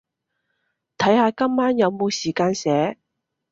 睇下今晚有冇時間寫